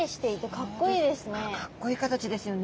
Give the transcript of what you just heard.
かっこいい形ですよね！